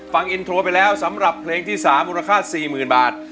ฟังอินโทรไปแล้วสำหรับเพลงที่๓มูลค่า๔๐๐๐บาท